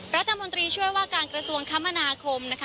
รัฐมนตรีช่วยว่าการกระทรวงคมนาคมนะคะ